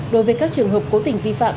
đối với các trường hợp cố tình vi phạm